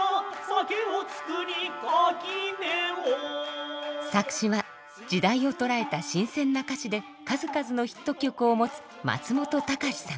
垣根を作詞は時代を捉えた新鮮な歌詞で数々のヒット曲を持つ松本隆さん。